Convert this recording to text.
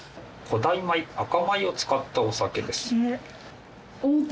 古代米赤米を使ったお酒です。